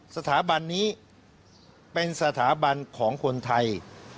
สถาบันนี้เป็นสถาบันของคนไทย